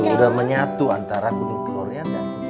udah menyatu antara gunung telurnya